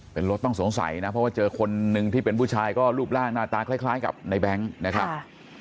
เป็นรถต้องสงสัยนะเพราะว่าเจอคนหนึ่งที่เป็นผู้ชายก็รูปร่างหน้าตาคล้ายกับในแบงค์นะครับ